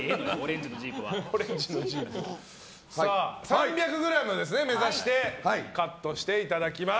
３００ｇを目指してカットしていただきます。